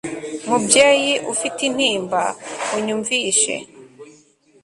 mubyeyi ufite intimba, unyumvishe